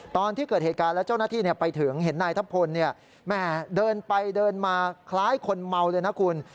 ตอนที่เกิดเหตุการณ์แล้วเจ้าหน้าที่ไปถึงเห็นนายทัพพลแม่เดินไปเดินมาคล้ายคนเมาเลยนะคุณ